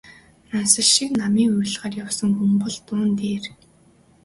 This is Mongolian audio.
Нансал шиг намын уриалгаар явсан хүн бол дуун дээр...